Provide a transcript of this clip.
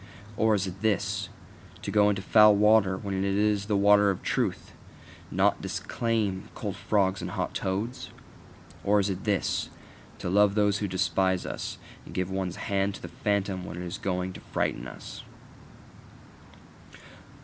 Or is it this: To go into foul water when it is the water of truth, and not disclaim cold frogs and hot toads? Or is it this: To love those who despise us, and give one's hand to the phantom when it is going to frighten us?